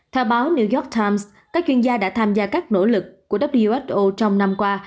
theo báo new york times các chuyên gia đã tham gia các nỗ lực của who trong năm qua